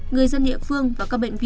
người dân địa phương và các bệnh viện